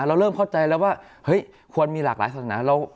เราเริ่มเข้าใจแล้วว่าเฮ้ยควรมีหลากหลายศาสนา